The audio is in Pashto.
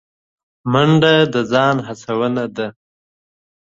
منډه د ځان هڅونه ده